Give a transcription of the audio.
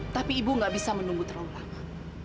tapi ibu gak bisa menunggu terlalu lama